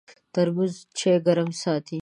ترموز چای ګرم ساتي.